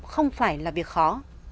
không phải là việc khó